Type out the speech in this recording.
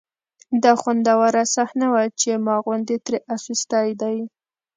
دا خوندوره صحنه وه چې ما خوند ترې اخیستی دی